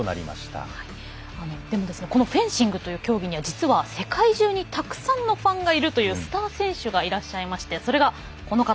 実は、このフェンシングという競技には実は世界中にたくさんのファンがいるというスター選手がいらっしゃいましてそれがこの方。